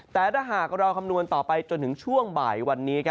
แต่ถ้าหากเราคำนวณต่อไปจนถึงช่วงบ่ายวันนี้